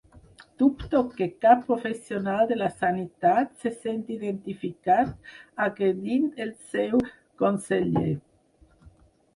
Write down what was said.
Dubto que cap professional de la sanitat se senti identificat agredint el seu conseller.